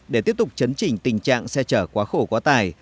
để tiếp tục chấn chỉnh tình trạng xe chở quá khổ quá tải